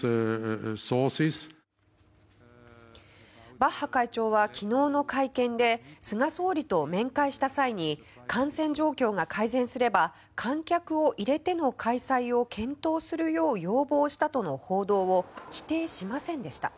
バッハ会長は昨日の会見で菅総理と面会した際に感染状況が改善すれば観客を入れての開催を検討するよう要望したとの報道を否定しませんでした。